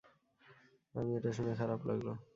আমি এটা শুনে খারাপ লাগলো।